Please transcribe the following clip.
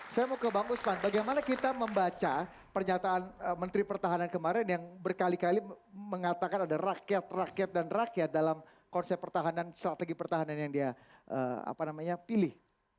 saya mau ke bang usman bagaimana kita membaca pernyataan menteri pertahanan kemarin yang berkali kali mengatakan ada rakyat rakyat dan rakyat dalam konsep pertahanan strategi pertahanan yang dia pilih